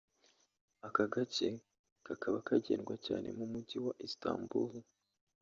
Ako gace kakaba kagendwa cyane mu mujyi wa Istanbul